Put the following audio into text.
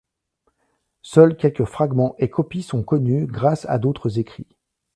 Seuls quelques fragments et copies sont connus grâce à d'autres écrits.